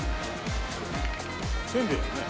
せんべいだよね。